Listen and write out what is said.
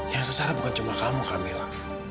yang sengsara bukan cuma kamu kak mila